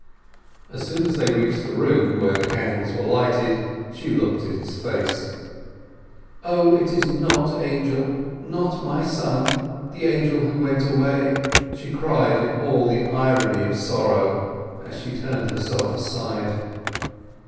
As soon as they reached the room where the candles were lighted she looked at his face. "O, it is not Angel—not my son—the Angel who went away!" she cried in all the irony of sorrow, as she turned herself aside.